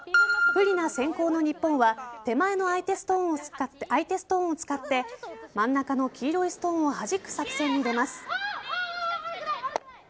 不利な先攻の日本は手前の相手ストーンを使って真ん中の黄色いストーンをはじく作戦に出ます。